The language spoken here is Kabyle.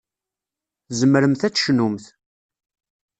Tzemremt ad tecnumt.